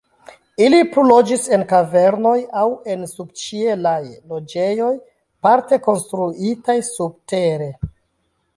Ili plu loĝis en kavernoj aŭ en subĉielaj loĝejoj, parte konstruitaj subtere.